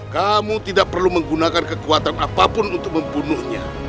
kamu tidak perlu menggunakan kekuatan apapun untuk membunuhnya